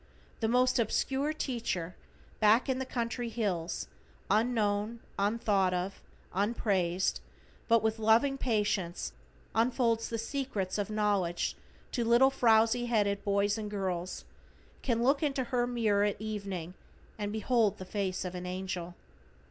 The most obscure teacher, back in the country hills, unknown, unthought of, unpraised, but with loving patience unfolding the secrets of knowledge to little frowzy headed boys and girls, can look into her mirror at evening and behold the face of an angel.